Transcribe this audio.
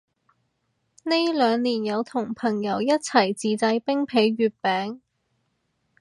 呢兩年有同朋友一齊自製冰皮月餅